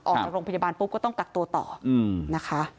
ออกจากโรงพยาบาลปุ๊บก็ต้องกักตัวต่อนะคะ